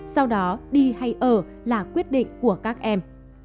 sau đó đi hay ở là quyết định của các em